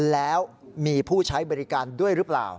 แล้วมีผู้ใช้บริการด้วยหรือเปล่า